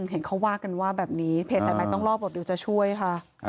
เห็นเขาว่ากันว่าแบบนี้เพจสายไม้ต้องรอบบอกเดี๋ยวจะช่วยค่ะ